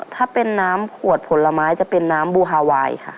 ถ้าเป็นน้ำขวดผลไม้จะเป็นน้ำบูฮาไวน์ค่ะ